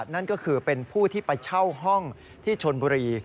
นั่นก็คือเป็นผู้ที่ไปเช่าห้องที่ชนบุรี